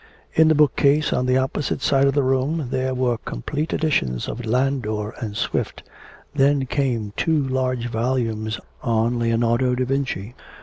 In the book case on the opposite side of the room there were complete editions of Landor and Swift, then came two large volumes on Leonardo da Vinci.